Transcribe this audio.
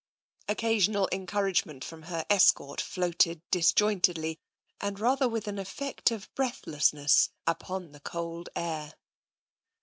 Occasional encouragement from her escort floated disjointedly, and rather with an effect of breathless ness, upon the cold air.